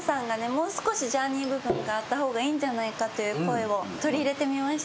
もう少しジャーニー部分があった方がいいんじゃないかという声を取り入れてみました。